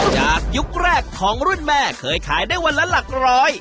ยุคแรกของรุ่นแม่เคยขายได้วันละหลักร้อย